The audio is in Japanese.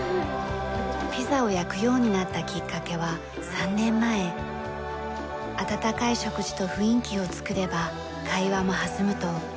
ピザを焼くようになったきっかけは３年前温かい食事と雰囲気を作れば会話も弾むと考えました。